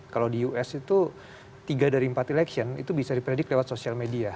kalau di us itu tiga dari empat election itu bisa dipredik lewat social media